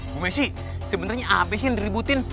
bu messi sebenarnya apa sih yang diributin